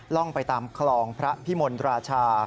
ร่องไปตามคลองพระพิมลราชา